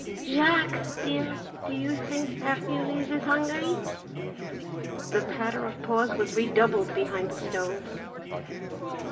"Jack, dear, do you think Hercules is hungry?" The patter of paws was redoubled behind the stove.